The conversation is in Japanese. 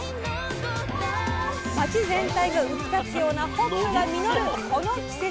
町全体が浮き立つようなホップが実るこの季節。